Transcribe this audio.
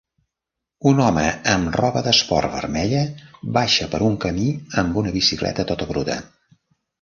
Un home amb roba d'esport vermella baixa per un camí amb una bicicleta tota bruta